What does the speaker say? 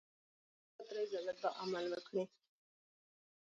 پنځلس پنځلس منټه پس دې دوه درې ځله دا عمل وکړي